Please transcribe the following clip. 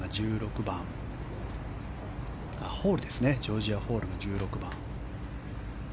ジョージア・ホールが１６番。